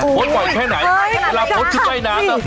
โพสต์บ่อยแค่ไหน